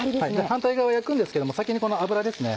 反対側焼くんですけども先にこの脂ですね。